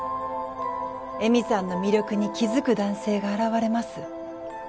江美さんの魅力に気付く男性が現れます。